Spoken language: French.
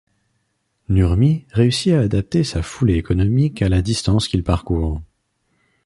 Nurmi réussit à adapter sa foulée économique à la distance qu'il parcourt.